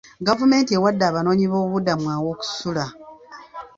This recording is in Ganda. Gavumenti ewadde abanoonyi boobubudamu aw'okusula.